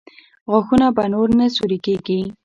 غاښونه به نور نه سوري کېږي؟